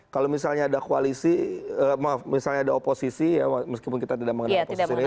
kalau misalnya ada koalisi maaf misalnya ada oposisi ya meskipun kita tidak mengenal oposisi real